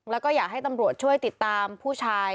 แล้วก็อยากให้ตำรวจช่วยติดตามผู้ชาย